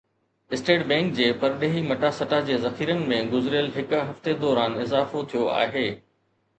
state bank جي پرڏيهي مٽاسٽا جي ذخيرن ۾ گذريل هڪ هفتي دوران اضافو ٿيو آهي